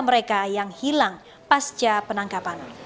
mereka yang hilang pasca penangkapan